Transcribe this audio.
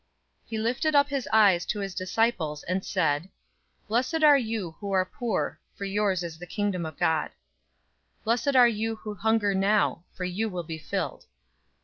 006:020 He lifted up his eyes to his disciples, and said, "Blessed are you who are poor, for yours is the Kingdom of God. 006:021 Blessed are you who hunger now, for you will be filled.